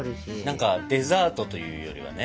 何かデザートというよりはね。